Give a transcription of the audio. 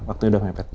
waktunya udah mepet